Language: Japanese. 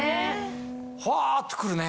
ふわって来るね。